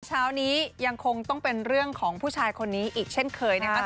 เช้านี้ยังคงต้องเป็นเรื่องของผู้ชายคนนี้อีกเช่นเคยนะครับ